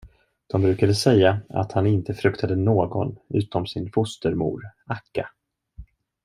De brukade säga, att han inte fruktade någon utom sin fostermor, Akka.